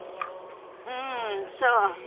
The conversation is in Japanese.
うんそう。